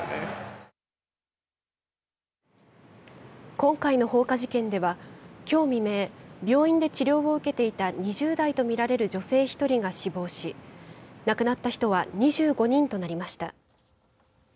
今回の放火事件ではきょう未明病院で治療を受けていた２０代とみられる女性１人が死亡し亡くなった人は２５人となりました。